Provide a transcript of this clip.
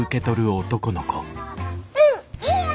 うんいいよ。